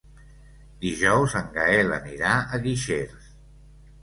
Dijous en Gaël anirà a Guixers.